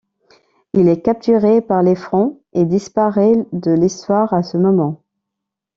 Il est capturé par les Francs et disparaît de l'histoire à ce moment.